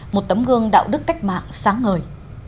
một tấm gương đạo đức cách mạng sáng ngời